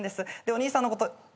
お兄さんのこと。